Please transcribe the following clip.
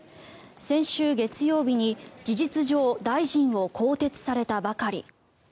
先週月曜日に、事実上大臣を更迭されたばかり。